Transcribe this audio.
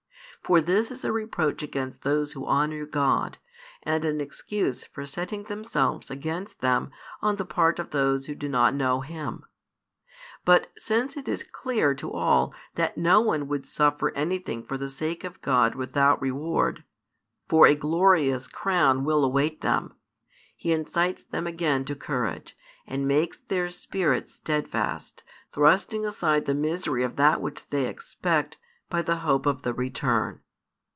For this is a reproach against those who honour God, and an excuse for setting themselves against them on the part of those who do not know Him. But since it is clear to all that no one would suffer |422 anything for the sake of God without reward, for a glorious crown will await them, He incites them again to courage, and makes their spirit steadfast, thrusting aside the misery of that which they expect by the hope of the return.